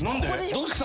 どうした？